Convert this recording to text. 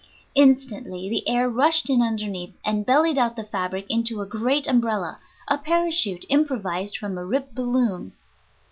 Instantly the air rushed in underneath, and bellied out the fabric into a great umbrella, a parachute improvised from a ripped balloon.